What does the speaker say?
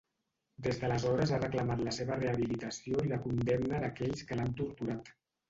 Des d'aleshores ha reclamat la seva rehabilitació i la condemna d'aquells que l'han torturat.